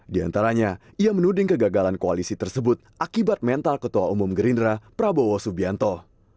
di antaranya ia menuding kegagalan koalisi tersebut akibat mental ketua umum gerindra prabowo subianto